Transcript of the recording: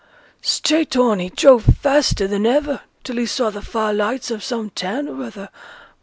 Straight on he drove faster than ever, till he saw th' far lights of some town or other.